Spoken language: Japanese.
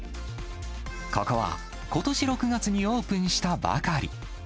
ここは、ことし６月にオープンしたばかり。